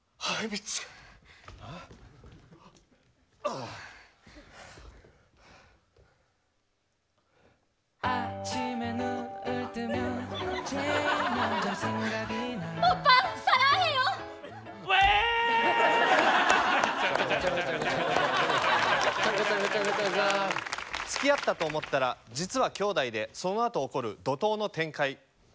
「付き合ったと思ったら実は兄妹でそのあと起こる怒とうの展開」。